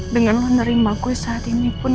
dengan lo nerima gue saat ini pun